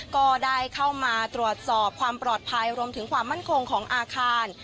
ก็ได้เข้ามาตรวจสอบความปลอดภัยรวมถึงความมั่นคงของอาคาร